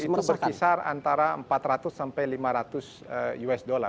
itu berkisar antara empat ratus sampai lima ratus usd